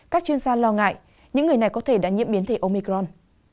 các chuyên gia lo ngại những người này có thể đã nhiễm biến thể omicron